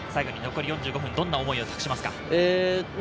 残り４５分、どんな思いを託しますか？